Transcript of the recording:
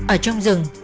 ở trong rừng